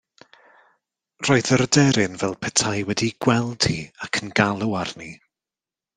Roedd yr aderyn fel petai wedi'i gweld hi ac yn galw arni.